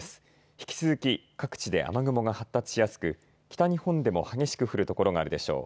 引き続き各地で雨雲が発達しやすく北日本でも激しく降る所があるでしょう。